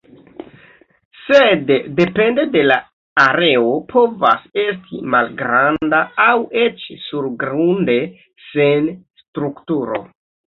Sed depende de la areo povas esti malgranda aŭ eĉ surgrunde sen strukturo.